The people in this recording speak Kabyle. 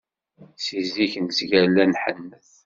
Si zik nettgalla nḥennet.